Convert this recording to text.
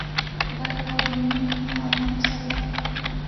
بل هېواد یو نیم میلیون افغانۍ صادرات وکړي